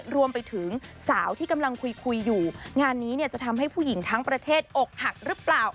รวมไปถึงสาวที่กำลังคุยคุยอยู่งานนี้เนี่ยจะทำให้ผู้หญิงทั้งประเทศอกหักหรือเปล่า